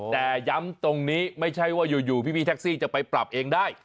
แต่ย้ำตรงนี้ไม่ใช่ว่าอยู่พี่แท็กซี่จะไปปรับเองได้